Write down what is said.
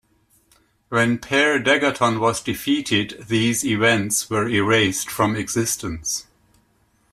When Per Degaton was defeated, these events were erased from existence.